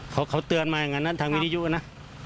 เขาเตือนมาอย่างนั้นทางวิทยุนะ